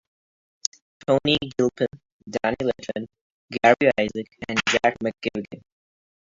Toni Gilpin, Dan Letwin, Gary Isaac, and Jack McKivigan.